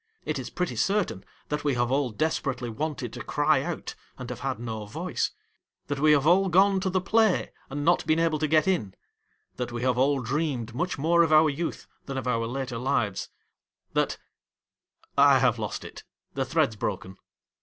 It is pretty certain that we have all desperately wanted to cry out, and have had no voice ; that we have all gone to the play and not been able to get in ; that we have all dreamed much more of our youth than, of our later lives ; that 1 have lost it ! The thread's broken.